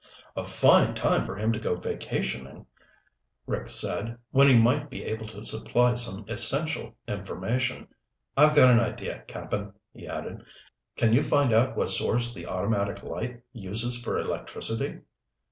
"A fine time for him to go vacationing," Rick said, "when he might be able to supply some essential information. I've got an idea, Cap'n," he added. "Can you find out what source the automatic light uses for electricity?